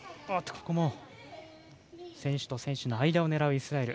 選手と選手の間を狙うイスラエル。